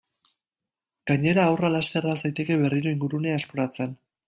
Gainera, haurra laster has daiteke berriro ingurunea esploratzen.